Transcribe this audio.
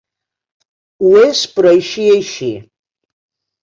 Ho és però així així